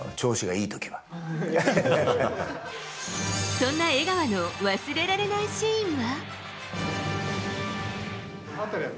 そんな江川の忘れられないシーンは。